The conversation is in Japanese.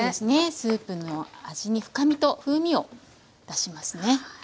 スープの味に深みと風味を出しますね。